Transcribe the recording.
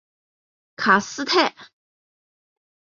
卡斯泰。